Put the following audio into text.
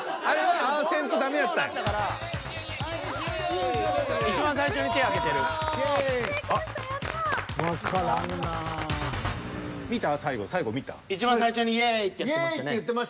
［あっ］